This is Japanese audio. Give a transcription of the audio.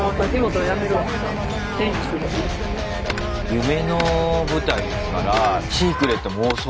夢の舞台ですからシークレットも多そうだけど。